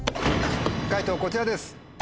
解答こちらです。